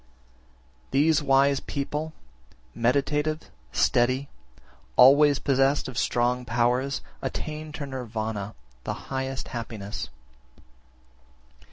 23. These wise people, meditative, steady, always possessed of strong powers, attain to Nirvana, the highest happiness.